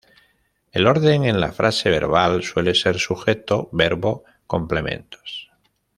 El orden en la frase verbal suele ser sujeto, verbo, complementos.